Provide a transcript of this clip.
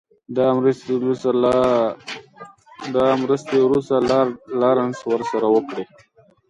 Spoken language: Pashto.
دا مرستې وروسته لارډ لارنس ورسره وکړې.